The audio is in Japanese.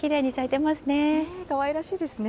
かわいらしいですね。